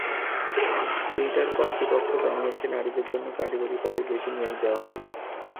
Twitter কর্তৃপক্ষ জানিয়েছে, নারীদের জন্য কারিগরি পদে বেশি নিয়োগ দেওয়া হবে।